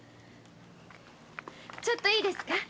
ちょっといいですか？